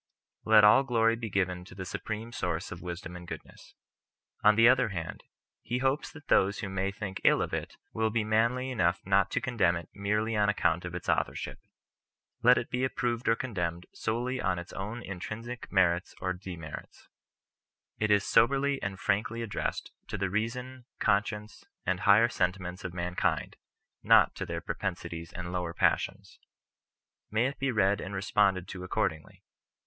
Let all glory be given to the Supreme Source of wisdom and goodness. On the other hand, he hopes that those who may think ill of it will be manly enough not to condemn it merely on account of its authorship. Let it be approved or condemned solely on its own in trinsic merits or demerits. It is soberly and frankly addressed to the reason, conscience, and higher sentiments of mankind — not to their propensities and lower passions. May it be read and responded to accordingly.